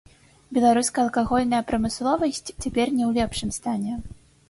Беларуская алкагольная прамысловасць цяпер не ў лепшым стане.